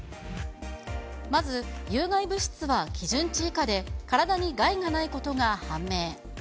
まず有害物質は基準値以下で、体に害がないことが判明。